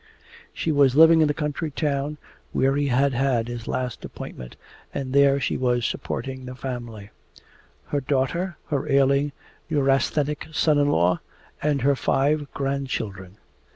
She was living in the country town where he had had his last appointment, and there she was supporting the family: her daughter, her ailing neurasthenic son in law, and her five grandchildren.